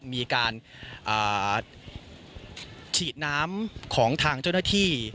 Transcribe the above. มีการฉีดน้ำของทางเจ้าหน้าที่